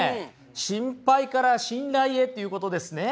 「心配から信頼へ」っていうことですね？